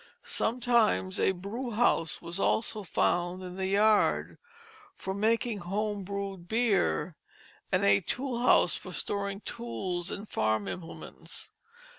Sometimes a brew house was also found in the yard, for making home brewed beer, and a tool house for storing tools and farm implements.